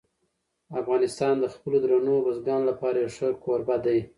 افغانستان د خپلو درنو بزګانو لپاره یو ښه کوربه دی.